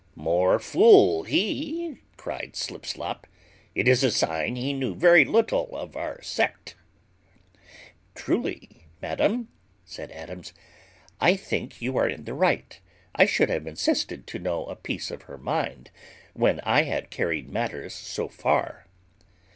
"More fool he," cried Slipslop; "it is a sign he knew very little of our sect." "Truly, madam," said Adams, "I think you are in the right: I should have insisted to know a piece of her mind, when I had carried matters so far."